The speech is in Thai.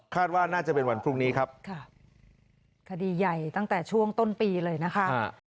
ว่าน่าจะเป็นวันพรุ่งนี้ครับค่ะคดีใหญ่ตั้งแต่ช่วงต้นปีเลยนะคะ